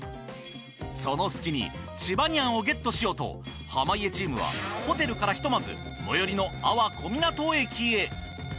その隙にチバニアンをゲットしようと濱家チームはホテルからひとまず最寄りの安房小湊駅へ。